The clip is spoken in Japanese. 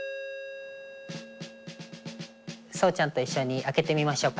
颯ちゃんと一緒に開けてみましょうか。